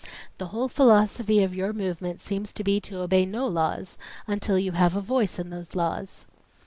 The whole philosophy of your movement seems to be to obey no laws until you have a voice in those laws."